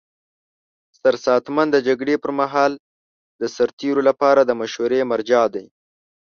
سرساتنمن د جګړې پر مهال د سرتیرو لپاره د مشورې مرجع دی.